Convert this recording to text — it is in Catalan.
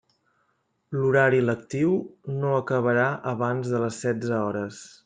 L'horari lectiu no acabarà abans de les setze hores.